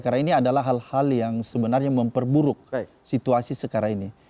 karena ini adalah hal hal yang sebenarnya memperburuk situasi sekarang ini